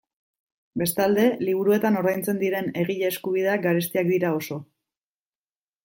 Bestalde, liburuetan ordaintzen diren egile eskubideak garestiak dira oso.